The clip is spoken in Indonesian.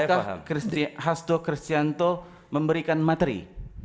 apakah hasto kristianto memberikan materi